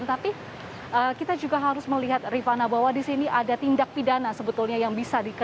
tapi kita juga harus melihat rifana bahwa di sini ada tindak pidana sebetulnya yang bisa dikatakan